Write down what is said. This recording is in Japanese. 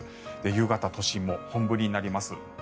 夕方、都心も本降りになります。